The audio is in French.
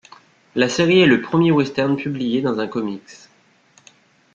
La série est le premier western publié dans un comics.